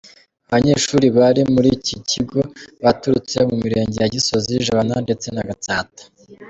Abanyeshuri bari muri iki kigo baturutse mu mirenge ya Gisozi, Jabana ndetse na Gatsata.